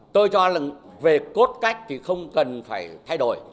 tôi cho là về cốt cách thì không cần phải thay đổi